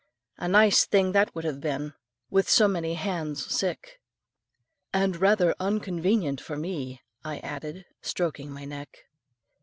A nice thing that would have been, with so many hands sick." "And rather unconvenient for me," I added, stroking my neck.